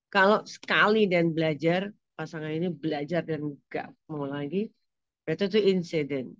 kalau sekali dan belajar pasangan ini belajar dan gak mau lagi itu tuh insiden